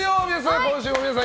今週も皆さん